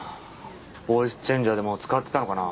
ボイスチェンジャーでも使ってたのかな？